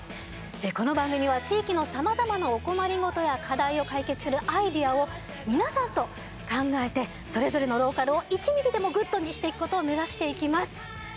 この番組は地域のさまざまなお困り事や課題を解決するアイデアを皆さんと考えてそれぞれのローカルを１ミリでもグッドにしていくことを目指していきます。